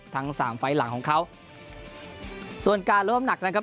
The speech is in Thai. ทั้งสามไฟล์หลังของเขาส่วนการล้มหนักนะครับ